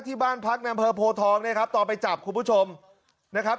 ที่บ้านพักในอำเภอโพทองเนี่ยครับตอนไปจับคุณผู้ชมนะครับ